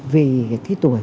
vì cái tuổi